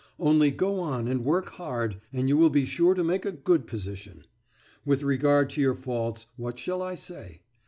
Only go on and work hard, and you will be sure to make a good position. With regard to your faults, what shall I say?